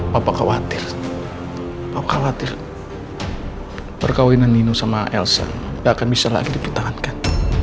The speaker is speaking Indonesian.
papa khawatir papa khawatir perkahwinan nino sama elsa nggak akan bisa lagi dipertahankan